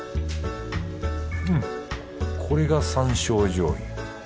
うんこれが山椒醤油。